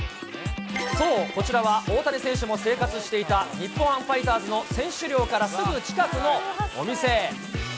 そう、こちらは大谷選手も生活していた日本ハムファイターズの選手寮からすぐ近くのお店。